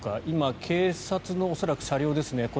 今、警察の恐らく車両ですね。